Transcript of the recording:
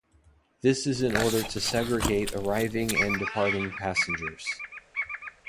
This is in order to segregate arriving and departing passengers.